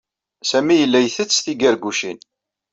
Sami yella isett tigargucin.